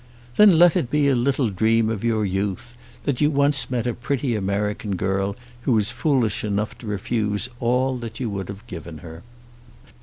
"Then let it be a little dream of your youth, that you once met a pretty American girl who was foolish enough to refuse all that you would have given her."